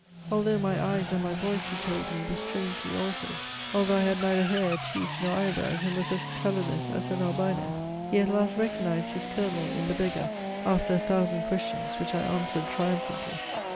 Although my eyes and my voice, he told me, were strangely altered, although I had neither hair, teeth, nor eyebrows, and was as colorless as an Albino, he at last recognized his Colonel in the beggar, after a thousand questions, which I answered triumphantly.